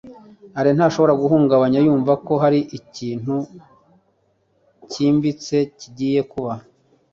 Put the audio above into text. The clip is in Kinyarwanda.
alain ntashobora guhungabana yumva ko hari ikintu cyimbitse kigiye kuba